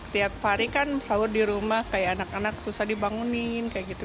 tiap hari kan sahur di rumah kayak anak anak susah dibangunin kayak gitu